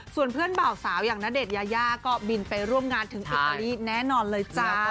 ส่วนเพื่อนบ่าวสาวอย่างณเดชนยายาก็บินไปร่วมงานถึงอิตาลีแน่นอนเลยจ้า